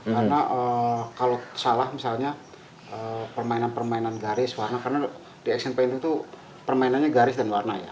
karena kalau salah misalnya permainan permainan garis warna karena di action painting itu permainannya garis dan warna ya